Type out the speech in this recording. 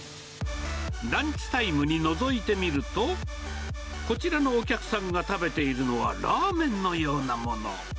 ランチタイムにのぞいてみると、こちらのお客さんが食べているのはラーメンのようなもの。